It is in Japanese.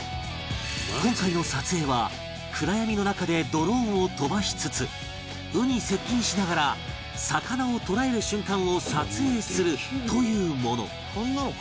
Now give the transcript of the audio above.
今回の撮影は暗闇の中でドローンを飛ばしつつ鵜に接近しながら魚を捕らえる瞬間を撮影するというもの